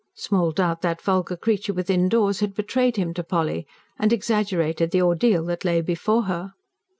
Small doubt that vulgar creature within doors had betrayed him to Polly, and exaggerated the ordeal that lay before her.